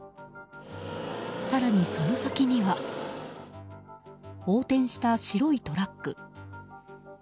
更に、その先には横転した白いトラック。